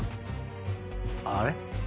あれ？